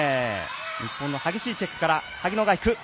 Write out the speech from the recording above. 日本の激しいチェックから萩野がいく。